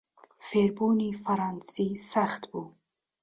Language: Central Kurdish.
فێربوونی فەڕەنسی سەخت بوو.